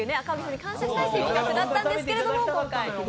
感謝したいっていう企画だったんですけど、今回。